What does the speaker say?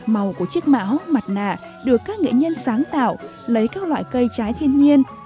màu của chiếc mão mặt nạ được các nghệ nhân sáng tạo lấy các loại cây trái thiên nhiên